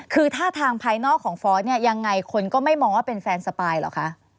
คือท่าทางภายนอกของฟอสเนี่ยยังไงคนก็ไม่มองว่าเป็นแฟนสปายเหรอคะ